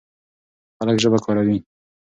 خلک ژبه کاروي.